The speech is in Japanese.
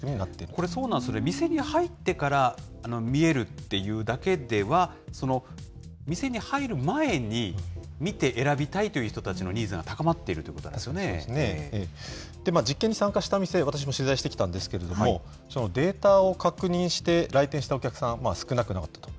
これ、そうなんですね、店に入ってから見えるっていうだけでは、店に入る前に見て選びたいという人たちのニーズが高まってい実験に参加した店、私も取材してきたんですけれども、データを確認して、来店したお客さん、少なくなかったと。